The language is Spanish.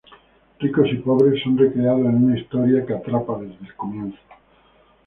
Ricos y pobres son recreados en una historia que atrapa desde el comienzo.